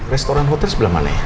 restoran hotel sebelah mana ya